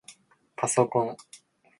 ぱそこん